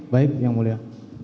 baik yang mulia